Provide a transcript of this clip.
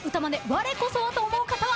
われこそはと思う方は。